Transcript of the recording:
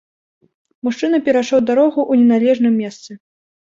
Мужчына перайшоў дарогу ў неналежным месцы.